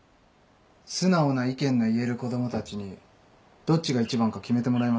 素直な意見の言える子供たちにどっちが１番か決めてもらいません？